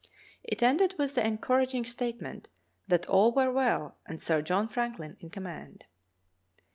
It ended with the encouraging statement that all were well and Sir John Franklin in command.